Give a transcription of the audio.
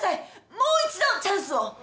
もう一度チャンスを！